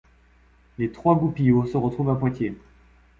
Les trois Goupilleau se retrouvent à Poitiers.